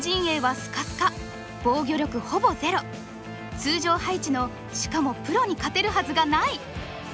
通常配置のしかもプロに勝てるはずがない！